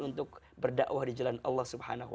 untuk berda'wah di jalan allah